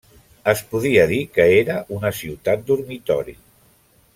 Es podia dir que era una ciutat dormitori.